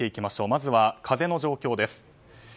まずは風の状況です。